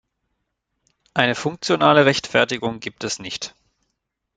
Eine funktionale Rechtfertigung gibt es nicht.